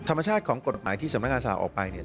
ธรรมชาติของกฎหมายที่สำนักงานสลากออกไปเนี่ย